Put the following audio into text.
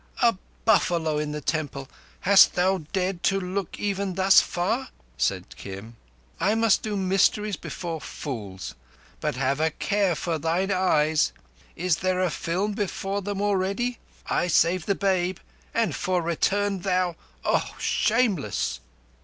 "A buffalo in the temple! Hast thou dared to look even thus far?" said Kim. "I must do mysteries before fools; but have a care for thine eyes. Is there a film before them already? I save the babe, and for return thou—oh, shameless!"